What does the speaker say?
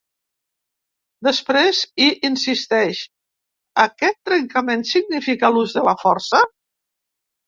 Després hi insisteix: ‘Aquest trencament significa l’ús de la força?’